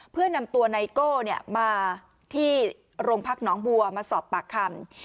เพื่อนำตัวไนโก้มาที่โรงพักหนองบัวมาสอบปากคำ